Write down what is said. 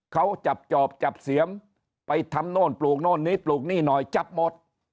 เขาจับจอบจับเสียมไปทำโน่นปลูกโน่นนี้ปลูกนี่หน่อยจับหมด